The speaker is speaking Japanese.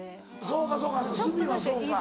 そうかそうか鷲見はそうか。